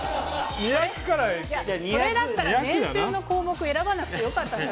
それだったら年収の項目選ばなくてよかったんじゃ。